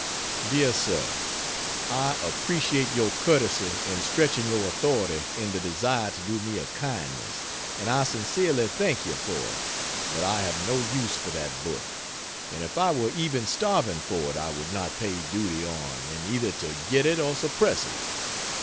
Dear sir, I appreciate your courtesy in stretching your authority in the desire to do me a kindness, and I sincerely thank you for it. But I have no use for that book; and if I were even starving for it I would not pay duty on in either to get it or suppress it.